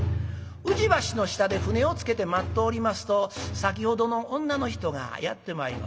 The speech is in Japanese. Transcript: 宇治橋の下で舟を着けて待っておりますと先ほどの女の人がやって参ります。